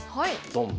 ドン。